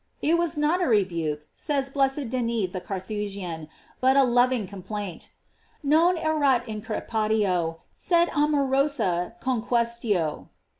It was not a rebuke, says blessed Denis the Carthusian, but a loving complaint : "Non erat increpatio, sed amorosa conquestio."